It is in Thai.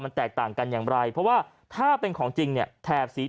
มันแตกต่างกันอย่างไรเพราะว่าถ้าเป็นของจริงเนี่ยแถบสี